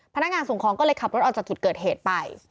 พนักงานส่งของก็เลยขับรถออกจากจุดเกิดเหตุไป